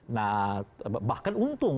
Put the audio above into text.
nah bahkan untung